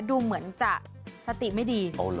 ดูเหมือนจะสติไม่ดี